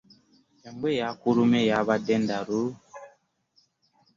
Embwa eyakulumye yabadde ndalu?